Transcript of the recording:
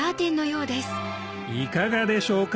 いかがでしょうか？